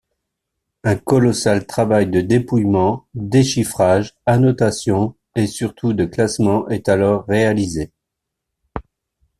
Un colossal travail de dépouillement, déchiffrage, annotation et surtout de classement est alors réalisé.